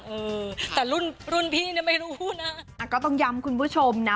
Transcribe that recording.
เออแต่รุ่นรุ่นพี่เนี่ยไม่รู้นะก็ต้องย้ำคุณผู้ชมนะ